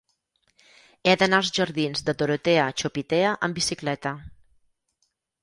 He d'anar als jardins de Dorotea Chopitea amb bicicleta.